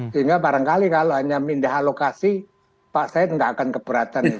sehingga barangkali kalau hanya pindah alokasi pak said nggak akan keberatan